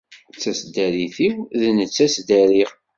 D taseddarit-iw, d netta i ttdariɣ.